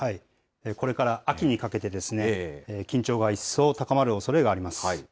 これから秋にかけて、緊張が一層高まるおそれがあります。